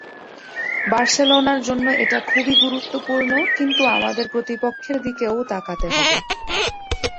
বার্সেলোনার জন্য এটা খুবই গুরুত্বপূর্ণ, কিন্তু আমাদের প্রতিপক্ষের দিকেও তাকাতে হবে।